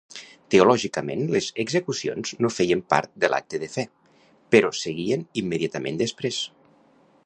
Teològicament, les execucions no feien part de l'acte de fe, però seguien immediatament després.